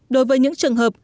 đối với những trường hợp